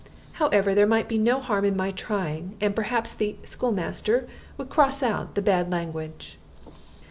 However, there might be no harm in my trying, and perhaps the school master would cross out the bad language.